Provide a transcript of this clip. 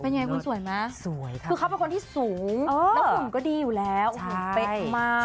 เป็นยังไงคุณสวยมั้ยคือเขาเป็นคนที่สูงแล้วหุ่นก็ดีอยู่แล้วหุ่นเตะมาก